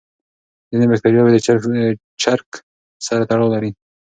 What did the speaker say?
ځینې بکتریاوې د چرګ سره تړاو لري.